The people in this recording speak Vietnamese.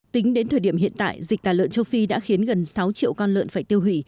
tính đến thời điểm hiện tại dịch tà lợn châu phi đã khiến gần sáu triệu con lợn phải tiêu hủy